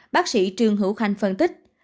bác sĩ trương hữu khanh phân tích